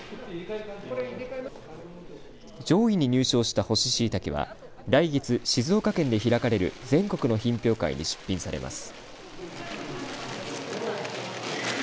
上位に入賞した乾しいたけは来月、静岡県で開かれる全国の品評会に出品されます。